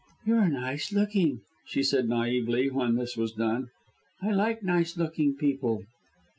"You are nice looking," she said naïvely, when this was done. "I like nice looking people."